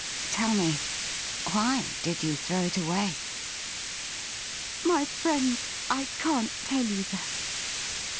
Tell me : why did you throw it away .'''' My friend, I can't tell you that.